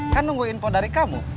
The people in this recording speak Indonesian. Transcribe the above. kan nunggu info dari kamu